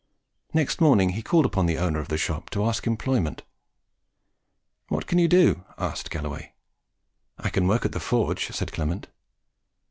Next morning he called upon the owner of the shop to ask employment. "What can you do?" asked Galloway. "I can work at the forge," said Clement.